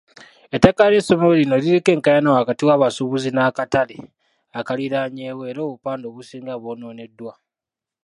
Ettaka ly'essomero lino liriko enkaayana wakati w'abasuubuzi n'akatale akaliraanyewo era obupande obusinga bwonooneddwa.